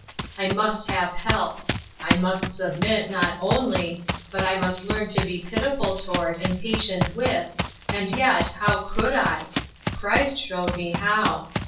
I must have help ; I must submit, not only, but I must learn to be pitiful toward, and patient with, and yet how could I ? Christ showed me how.